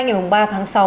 ngày ba tháng sáu